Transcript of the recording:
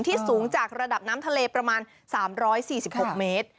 สูงจากระดับน้ำทะเลประมาณ๓๔๖เมตร